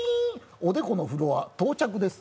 おでこのフロア、到着です。